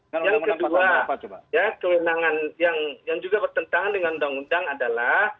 yang kedua ya kewenangan yang juga bertentangan dengan undang undang adalah